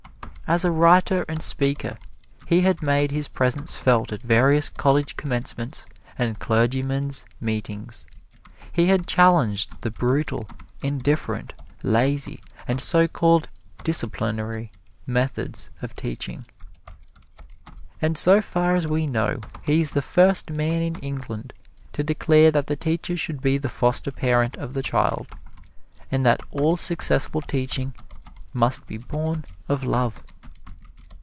As a writer and speaker he had made his presence felt at various college commencements and clergymen's meetings. He had challenged the brutal, indifferent, lazy and so called disciplinary methods of teaching. And so far as we know, he is the first man in England to declare that the teacher should be the foster parent of the child, and that all successful teaching must be born of love.